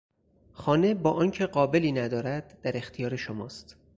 خانه با آنکه قابلی ندارد در اختیار شماست.